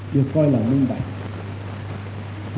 được coi là minh bạch